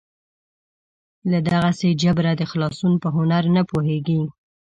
له دغسې جبره د خلاصون په هنر نه پوهېږي.